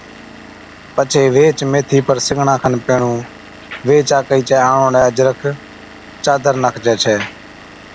پڇي ويهچ ميٿِي پر سِگڙان کن پيھڻُون ويھچ آڪھِي چَي آڻوڙَي اجرڪ، چادر ناکجَي ڇَي